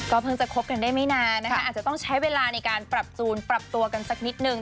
เพิ่งจะคบกันได้ไม่นานนะคะอาจจะต้องใช้เวลาในการปรับจูนปรับตัวกันสักนิดนึง